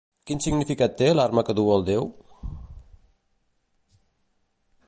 Quin significat té l'arma que duu el déu?